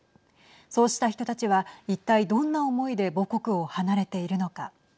そうした人たちは一体どんな思いで母国を離れているのか。